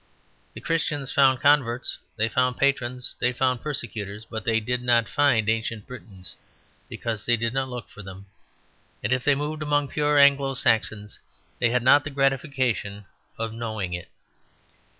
The Christians found converts, they found patrons, they found persecutors; but they did not find Ancient Britons because they did not look for them; and if they moved among pure Anglo Saxons they had not the gratification of knowing it.